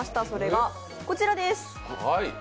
それがこちらです。